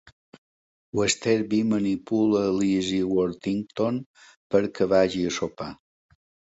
Westerby manipula Lizzie Worthington perquè vagi a sopar.